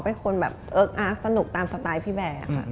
เป็นคนแบบเอิ๊กอาร์กสนุกตามสไตล์พี่แบร์ค่ะ